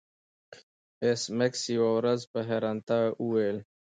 ایس میکس یوه ورځ په حیرانتیا وویل